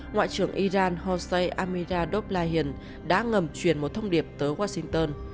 ngoại trưởng iran hossein amiradoblahian đã ngầm truyền một thông điệp tới washington